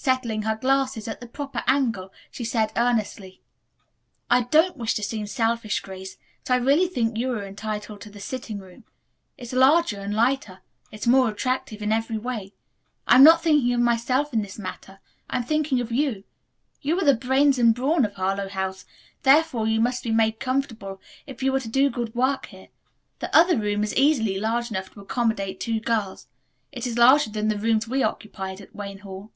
Settling her glasses at their proper angle she said earnestly, "I don't wish to seem selfish, Grace, but really I think you are entitled to the sitting room. It's larger and lighter. It's more attractive in every way. I am not thinking of myself in this matter, I am thinking of you. You are the brains and brawn of Harlowe House, therefore you must be made comfortable if you are to do good work here. The other room is easily large enough to accommodate two girls. It is larger than the rooms we occupied at Wayne Hall."